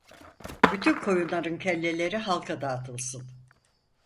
Bütün koyunların kelleleri halka dağıtılsın!